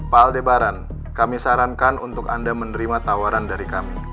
paldebaran kami sarankan untuk anda menerima tawaran dari kami